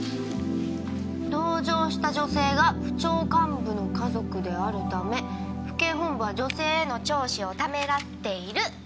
「同乗した女性が府庁幹部の家族であるため府警本部は女性への聴取をためらっている」